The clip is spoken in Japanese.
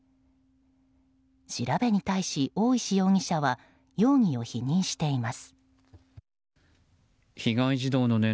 調べに対し、大石容疑者は容疑を否認しています。